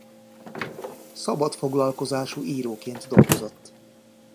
Szabadfoglalkozású íróként dolgozott.